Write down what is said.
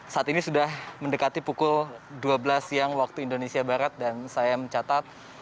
saat ini sudah mendekati pukul dua belas siang waktu indonesia barat dan saya mencatat